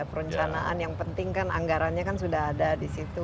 perencanaan yang penting kan anggarannya kan sudah ada di situ